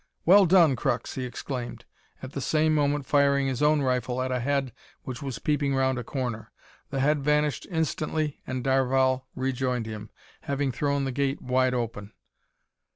"Well done, Crux!" he exclaimed, at the same moment firing his own rifle at a head which was peeping round a corner. The head vanished instantly and Darvall rejoined him, having thrown the gate wide open.